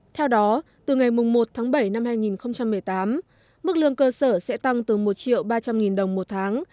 theo đó từ ngày một tháng bảy năm hai nghìn một mươi tám mức lương cơ sở sẽ tăng từ một triệu ba trăm linh nghìn đồng một tháng